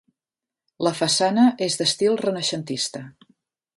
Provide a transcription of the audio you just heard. La façana és d'estil renaixentista.